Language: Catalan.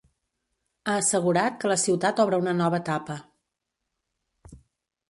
Ha assegurat que la ciutat obre una nova etapa.